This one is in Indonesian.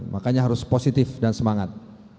makanya harus positif dan semangat